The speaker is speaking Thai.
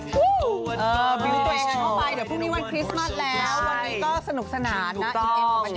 วู้ววันนี้ก็สนุกสนานนะอีฟบรรยากาศกันไปใช่ถูกต้อง